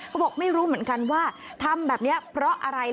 บอกไม่รู้เหมือนกันว่าทำแบบนี้เพราะอะไร